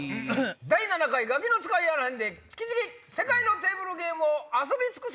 第７回ガキの使いやあらへんでチキチキ世界のテーブルゲームを遊び尽くせ！